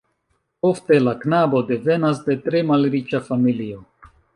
Ofte la knabo devenas de tre malriĉa familio.